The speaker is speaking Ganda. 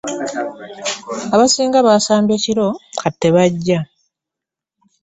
Abasinga baasabye kiro kati tebajja.